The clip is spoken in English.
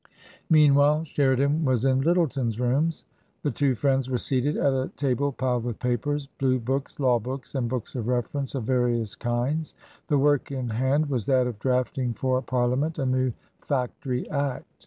Meanwhile, Sheridan was in Lyttleton's rooms. The two friends were seated at a table piled with papers. Blue Books, Law Books, and books of reference of various kinds. The work in hand was that of drafting for Par liament a new Factory Act.